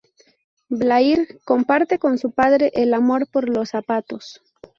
Blair comparte con su padre el amor por los zapatos.